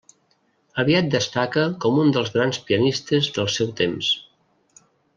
Aviat destaca com un dels grans pianistes del seu temps.